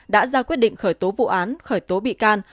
đã ra quyết định khởi tố vụ án khởi tố bị can